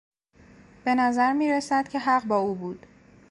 به نظر میرسد که حق با او بود.